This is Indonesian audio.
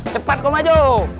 cepat kau maju